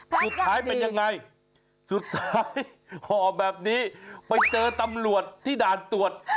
สุดท้ายเป็นยังไงสุดท้ายห่อแบบนี้ไปเจอตำรวจที่ด่านตรวจ